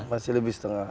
masih lebih setengah